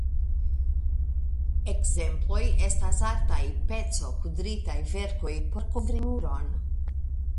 Ekzemploj estas artaj pecokudritaj verkoj por kovri muron.